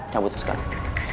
cabut tuh sekarang